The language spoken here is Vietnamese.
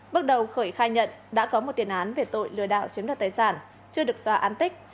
bước đầu khởi khai nhận đã có một tiền án về tội lừa đảo chiếm đoạt tài sản chưa được xóa án tích